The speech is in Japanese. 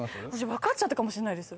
分かっちゃったかもしんないです。